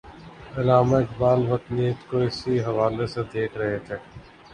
علامہ اقبال وطنیت کو اسی حوالے سے دیکھ رہے تھے۔